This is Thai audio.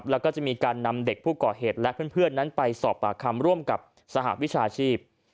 แล้วก็จะมีการนำเด็กผู้ก่อเหตุและเพื่อนนั้นไปสอบปากคำร่วมกับสหวิชาชีพ